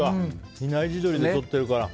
比内地鶏でとってるから。